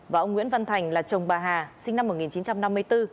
và ông nguyễn văn thành là chồng bà hà sinh năm một nghìn chín trăm năm mươi bốn